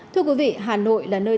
thưa quý vị hà nội là nơi